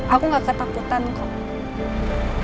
aku gak ketakutan kok